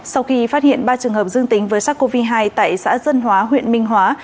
sau khi phát hiện ba trường hợp dương tính với sars cov hai tại xã dân hóa huyện minh hóa